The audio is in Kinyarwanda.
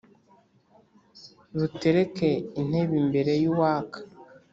butereka intebe imbere y’uwaka!